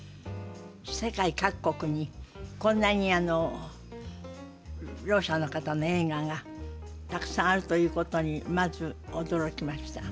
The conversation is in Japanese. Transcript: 世界各国にこんなにろう者の方の映画がたくさんあるということにまず驚きました。